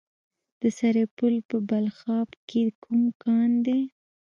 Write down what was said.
د سرپل په بلخاب کې کوم کان دی؟